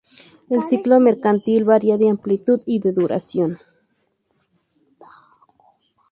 El ciclo mercantil varía de amplitud y de duración.